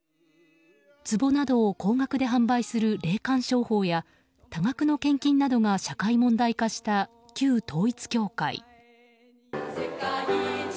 つぼなどを高額で販売する霊感商法や、多額の献金などが社会問題化した旧統一教会。